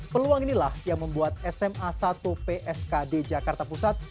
peluang inilah yang membuat sma satu pskd jakarta pusat